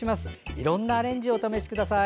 いろんなアレンジをお試しください。